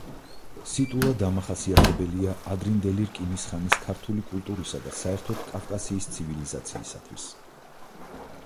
სიტულა დამახასიათებელია ადრინდელი რკინის ხანის ქართული კულტურისა და საერთოდ კავკასიის ცივილიზაციისათვის.